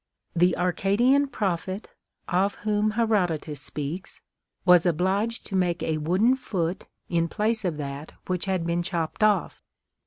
The Arcadian prophet, of whom Herodotus speaks, was obliged to make a wooden foot in place of that which had been chopped off.